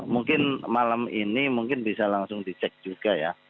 mungkin malam ini bisa langsung di check juga ya